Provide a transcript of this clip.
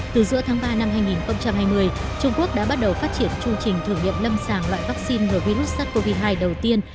từ giữa tháng ba năm hai nghìn hai mươi trung quốc đã bắt đầu phát triển chương trình thử nghiệm lâm sàng loại vaccine ngừa virus sars cov hai đầu tiên